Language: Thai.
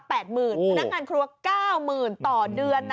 พนักงานครัว๙๐๐๐ต่อเดือนนะ